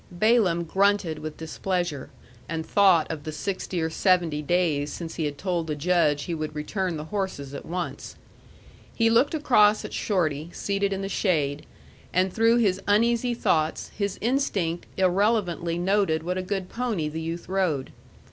Balaam grunted with displeasure, and thought of the sixty or seventy days since he had told the Judge he would return the horses at once. He looked across at Shorty seated in the shade, and through his uneasy thoughts his instinct irrelevantly noted what a good pony the youth rode.